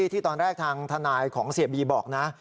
ที่ตอนแรกทางทนายของเสียบีบอกนะ